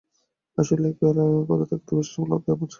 আসলে, একলা ঘরে থাকতে বেশ লাগে আমার।